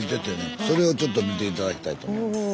それをちょっと見て頂きたいと思います。